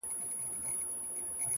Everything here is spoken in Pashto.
اراده د تیارو لارو څراغ بلوي.!